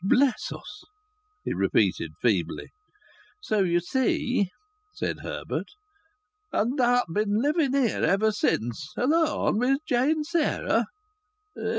"Bless us!" he repeated feebly. "So you see," said Herbert. "And thou'st been living here ever since alone, wi' Jane Sarah?"